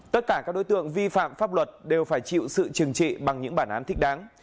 tất cả các đối tượng vi phạm pháp luật đều phải chịu sự trừng trị bằng những bản án thích đáng